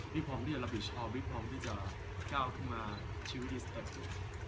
พร้อมที่จะรับผิดชอบพี่พร้อมที่จะก้าวขึ้นมาชีวิตดีสเต็มตัว